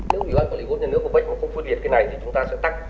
nếu quản lý quốc nhà nước của bách không phân biệt cái này thì chúng ta sẽ tắt